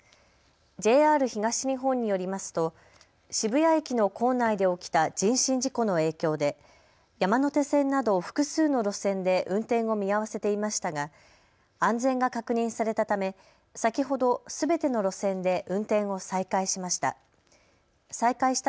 ＪＲ東日本によりますと渋谷駅の構内で起きた人身事故の影響で山手線など複数の路線で運転を見合わせていましたが安全が確認されたため先ほどすべての路線で運転を再開しました。